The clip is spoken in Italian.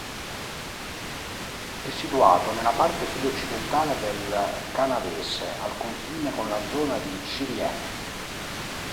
È situato nella parte sud-occidentale del Canavese, al confine con la zona di Cirié.